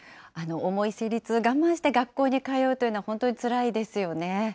重い生理痛、我慢して学校に通うというのは、本当につらいですよね。